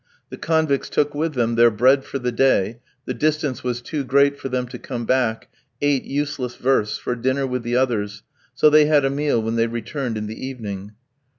The convicts took with them their bread for the day, the distance was too great for them to come back, eight useless versts, for dinner with the others, so they had a meal when they returned in the evening.